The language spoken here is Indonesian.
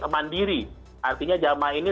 mandiri artinya jemaah ini